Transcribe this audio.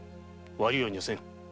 悪いようにはせぬ。